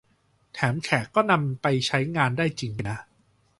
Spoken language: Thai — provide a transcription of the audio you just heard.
แถมแขกก็นำไปใช้งานได้จริงด้วยนะ